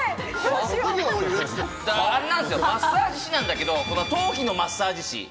マッサージ師なんだけれども、頭皮のマッサージ師。